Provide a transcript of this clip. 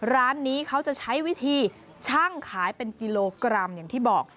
ร้านนี้เขาจะใช้วิธีช่างขายเป็นกิโลกรัมอย่างที่บอก